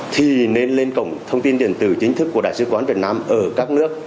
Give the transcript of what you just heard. thì nên lên cổng thông tin điện tử chính thức của đại sứ quán việt nam ở các nước